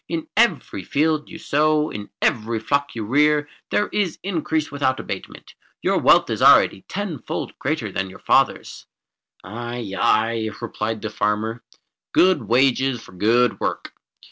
"In every field you sow, in every flock you rear there is increase without abatement. Your wealth is already tenfold greater than your father's." "Aye, aye," replied the farmer. "Good wages for good work.